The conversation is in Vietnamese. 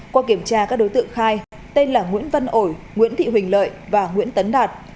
qua kiểm tra các đối tượng khai tên là nguyễn văn ồi nguyễn thị huỳnh lợi và nguyễn tấn đạt